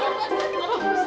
eh eh aduh